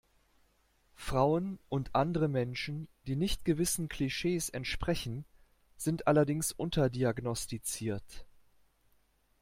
Frauen und andere Menschen, die nicht gewissen Klischees entsprechen, sind allerdings unterdiagnostiziert.